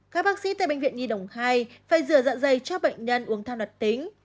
các bác sĩ tại bệnh viện nhi đồng hai phải rửa dạ dày cho bệnh nhân uống tham đoạt tính